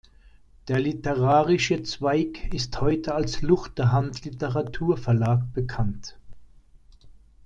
Der literarische Zweig ist heute als Luchterhand Literaturverlag bekannt.